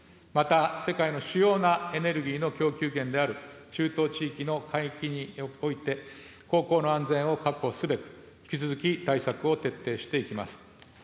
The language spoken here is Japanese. また世界の主要なエネルギーの供給源である、中東地域の海域において航行の安全を確保すべく、引き続き対策を徹底していきます。